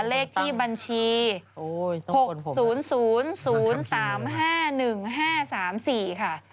เลขที่บัญชี๖๐๐๓๕๑๕๓๔ค่ะ